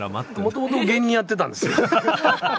もともと芸人やってたんです。